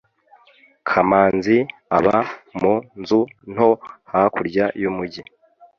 kamanzi aba mu nzu nto hakurya y'umujyi